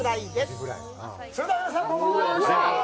それでは、皆さんどうもありがとうございました。